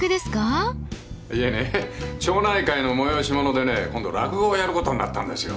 いえね町内会の催し物でね今度落語をやることになったんですよ。